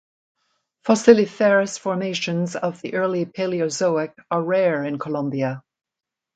Fossiliferous formations of the Early Paleozoic are rare in Colombia.